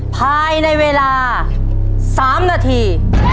ภายในเวลา๓นาที